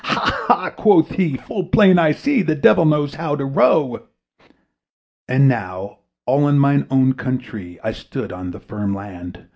"Ha! ha!" quoth he, "full plain I see, The Devil knows how to row." And now, all in my own countree, I stood on the firm land!